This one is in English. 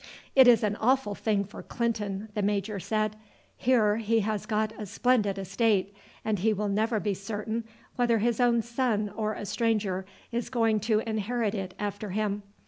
"It is an awful thing for Clinton," the major said. "Here he has got a splendid estate, and he will never be certain whether his own son or a stranger is going to inherit it after him.